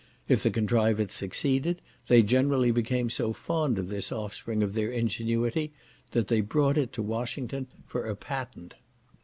If the contrivance succeeded, they generally became so fond of this offspring of their ingenuity, that they brought it to Washington for a patent.